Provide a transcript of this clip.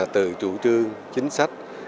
từ chủ trương chính sách